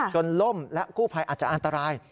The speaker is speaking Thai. ล่มและกู้ภัยอาจจะอันตราย